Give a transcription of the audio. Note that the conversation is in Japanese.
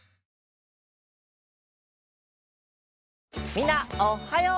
みんなおはよう！